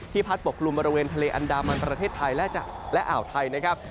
พัดปกลุ่มบริเวณทะเลอันดามันประเทศไทยและอ่าวไทยนะครับ